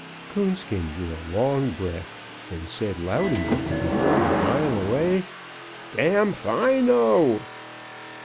Coonskin drew a long breath, and said loud enough to be heard a mile away, "Damfino."